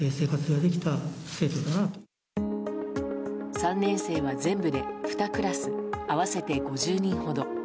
３年生は全部で２クラス合わせて５０人ほど。